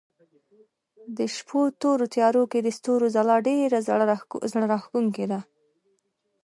د شپو تورو تيارو کې د ستورو ځلا ډېره زړه راښکونکې ده.